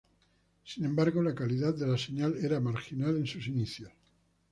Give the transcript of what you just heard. Sin embargo, la calidad de l a señal era marginal en sus inicios.